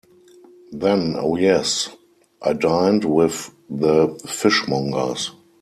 Then — oh yes, I dined with the Fishmongers.